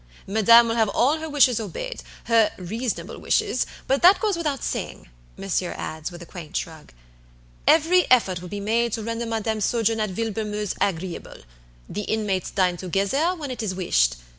"Madam will have all her wishes obeyed; her reasonable wishes, but that goes without saying," monsieur adds, with a quaint shrug. "Every effort will be made to render madam's sojourn at Villebrumeuse agreeable. The inmates dine together when it is wished.